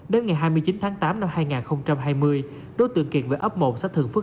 đến ngày hai mươi chín tháng tám năm hai nghìn hai mươi đối tượng kiệt về ấp một xã thường phước